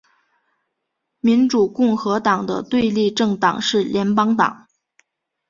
民主共和党的对立政党是联邦党。